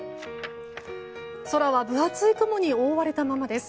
空は分厚い雲に覆われたままです。